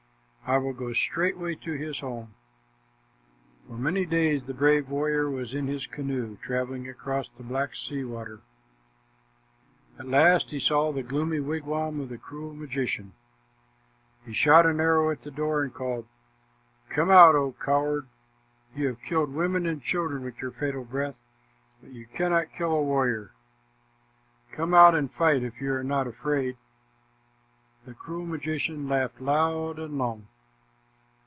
I will go straightway to his home." For many days the brave warrior was in his canoe traveling across the Black Sea Water. At last he saw the gloomy wigwam of the cruel magician. He shot an arrow at the door and called, "Come out, O coward! You have killed women and children with your fatal breath, but you cannot kill a warrior. Come out and fight, if you are not afraid." The cruel magician laughed loud and long.